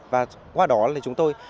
và qua đó chúng tôi